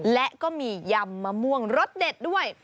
และก็มียำมะม่วงรสเด็ดด้วย